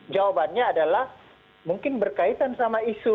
jawabannya adalah mungkin berkaitan sama isu